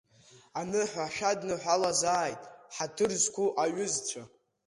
Аныҳәа шәадныҳәалазааит, ҳаҭыр зқәу аҩызцәа!